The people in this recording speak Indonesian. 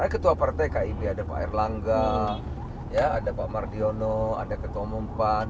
karena ketua partai kib ada pak erlangga ya ada pak mardiono ada ketua mumpan